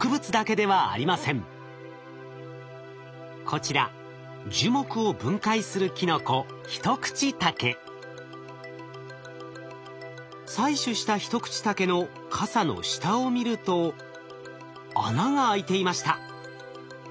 こちら樹木を分解するキノコ採取したヒトクチタケのかさの下を見ると穴が開いていました。